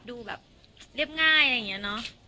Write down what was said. ดูแบบเรียบง่ายอะไรอย่างนี้เนอะ